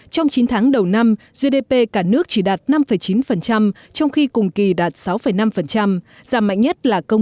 trong chín tháng đầu năm gdp cả nước chỉ đạt năm chín trong khi cùng kỳ đạt sáu năm giảm mạnh nhất là bốn